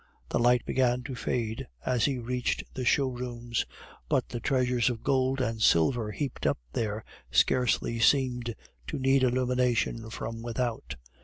The light began to fade as he reached the show rooms, but the treasures of gold and silver heaped up there scarcely seemed to need illumination from without.